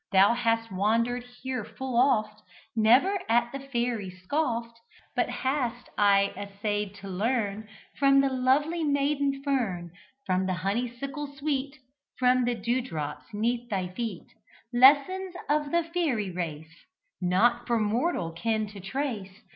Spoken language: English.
Thou hast wandered here full oft, Never at the fairies scoft, But hast aye essayed to learn From the lovely maiden fern, From the honeysuckle sweet, From the dew drops 'neath thy feet, Lessons of the fairy race Not for mortal ken to trace.